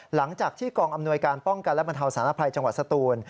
หลังจากที่กองอำนวยการป้องกันและบรรเทาสารภัยจังหวัดสตูน